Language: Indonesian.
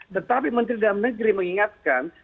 tetapi menteri dalam negeri mengingatkan